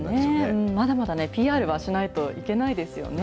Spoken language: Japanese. まだまだＰＲはしないといけないですよね。